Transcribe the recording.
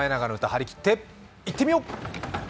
張り切っていってみよう！